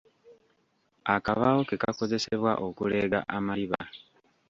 Akabaawo ke kakozesebwa okuleega amaliba.